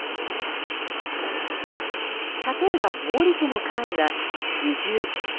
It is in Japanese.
例えば毛利家の官位は「侍従」。